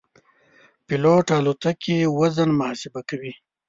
پیلوټ د الوتکې وزن محاسبه کوي.